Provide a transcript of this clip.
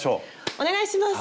お願いします！